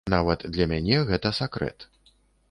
Нават для мяне гэта сакрэт.